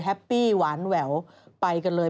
ปี้หวานแหววไปกันเลย